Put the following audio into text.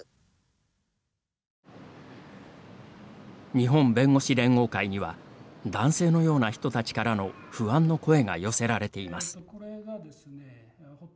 日本弁護士連合会には男性のような人たちからの不安の声が寄せられています。